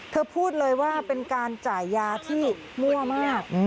พูดเลยว่าเป็นการจ่ายยาที่มั่วมาก